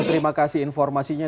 baik terima kasih informasinya